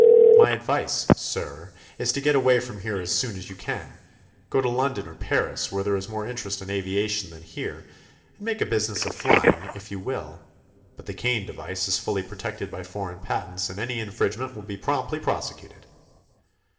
My advice, sir, is to get away from here as soon as you can. Go to London or Paris, where there is more interest in aviation than here, and make a business of flying, if you will. But the Kane device is fully protected by foreign patents, and any infringement will be promptly prosecuted."